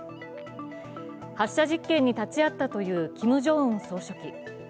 発射実験に立ち会ったというキム・ジョンウン総書記。